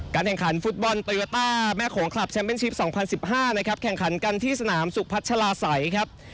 แข่งขันฟุตบอลโตโยต้าแม่โขงคลับแชมเป็นชิป๒๐๑๕นะครับแข่งขันกันที่สนามสุพัชลาศัยครับ